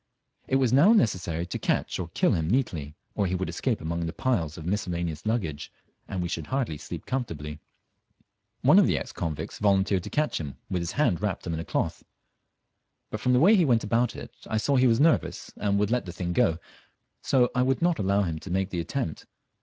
It was mow necessary to catch or kill him neatly, or he would escape among the piles of miscellaneous luggage, and we should hardly sleep comfortably. One of the ex convicts volunteered to catch him with his hand wrapped up in a cloth, but from the way he went about it I saw he was nervous and would let the thing go, so I would mot allow him to make the attempt.